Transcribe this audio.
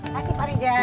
masih pak reja